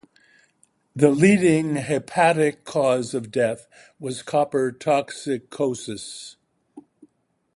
The leading "hepatic" cause of death was copper toxicosis.